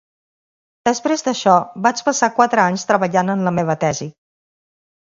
Després d'això, vaig passar quatre anys treballant en la meva tesi.